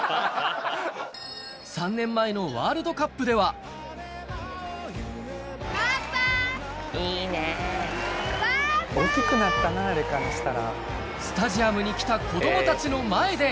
３年前のワールドカップではスタジアムに来た子供たちの前で